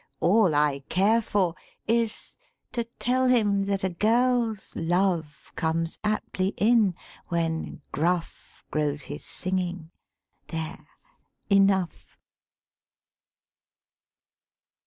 All I care for Is to tell him that a girl's ' Love ' comes aptly in when gruff Grows his singing. (There, enough!)"